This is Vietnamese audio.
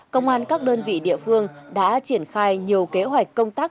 công an các đơn vị địa phương đã triển khai nhiều kế hoạch công tác